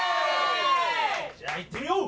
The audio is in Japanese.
じゃあいってみよう！